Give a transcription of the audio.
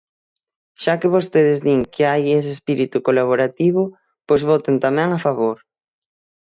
Xa que vostedes din que hai ese espírito colaborativo, pois voten tamén a favor.